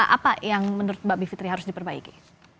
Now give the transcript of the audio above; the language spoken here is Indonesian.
apa yang menurut mbak bivitri harus diperbaiki